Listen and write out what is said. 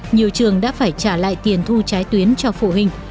nhiều trường đã phải trả lại tiền thu trái tuyến cho phụ huynh